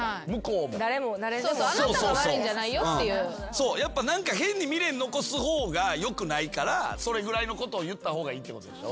そうやっぱ何か変に未練残す方がよくないからそれぐらいのことを言った方がいいってことでしょ？